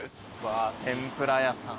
天ぷら屋さん。